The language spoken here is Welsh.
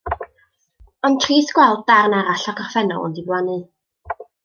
Ond trist gweld darn arall o'r gorffennol yn diflannu.